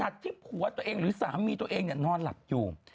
ขนาดที่ผัวตนเองหรือสามีตนเองนอนหลับอยู่